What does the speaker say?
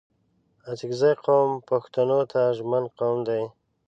اڅګزي قوم پښتو ته ژمن قوم دی